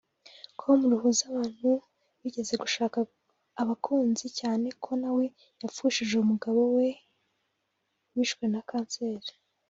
com ruhuza abantu bigeze gushaka bashaka abakunzi cyane ko nawe yapfushije umugabo we wishwe na Cancer